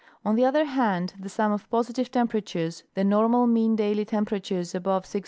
On the other hand, the sum of positive temperatures (the normal mean daily tem peratures above 6° C.)